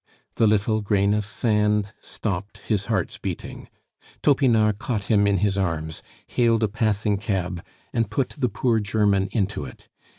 The little grain of sand stopped his heart's beating. Topinard caught him in his arms, hailed a passing cab, and put the poor German into it.